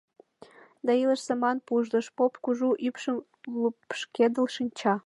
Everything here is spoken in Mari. — Да, илыш-саман пужлыш, — поп кужу ӱпшым лупшкедыл шинча.